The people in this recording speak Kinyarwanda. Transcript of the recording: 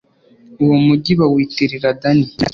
uwo mugi bawitirira dani, izina rya sekuruza wabo